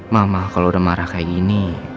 mama kalau udah marah kayak gini